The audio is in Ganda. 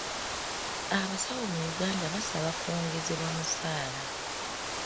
Abasawo mu Uganda basaba kwongezebwa musaala.